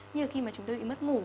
như là khi mà chúng ta bị mất ngủ